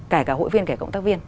kể cả hội viên kể cả công tác viên